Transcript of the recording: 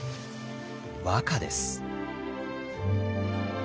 和歌です。